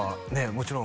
もちろん